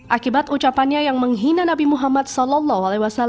akibat ucapannya yang menghina nabi muhammad saw